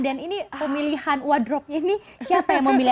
dan ini pemilihan wardrobe ini siapa yang memilih